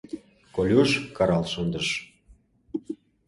— Колюш карал шындыш.